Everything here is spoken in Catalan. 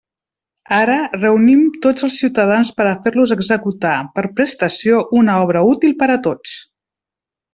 Ara, reunim tots els ciutadans per a fer-los executar, per prestació, una obra útil per a tots.